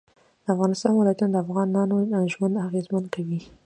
د افغانستان ولايتونه د افغانانو ژوند اغېزمن کوي.